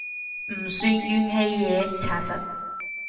唔算怨氣嘢查實